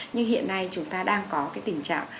nhưng hiện nay chúng ta đang có cái tình trạng